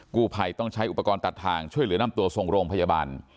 กู้ภัยต้องใช้อุปกรณ์ตัดทางช่วยเหลือนำตัวส่งโรงพยาบาล